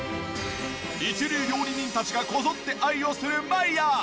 一流料理人たちがこぞって愛用するマイヤー。